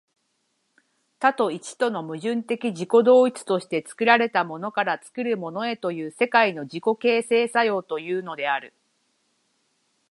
多と一との矛盾的自己同一として、作られたものから作るものへという世界の自己形成作用をいうのである。